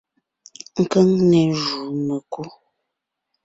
Keŋne jùu mekú.